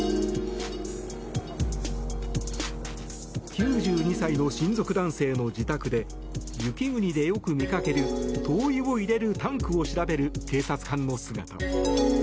９２歳の親族男性の自宅で雪国でよく見かける灯油を入れるタンクを調べる警察官の姿。